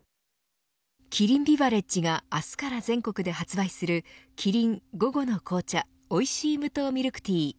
キリンビバレッジが明日から全国で発売するキリン午後の紅茶おいしい無糖ミルクティー。